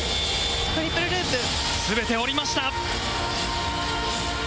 すべて降りました。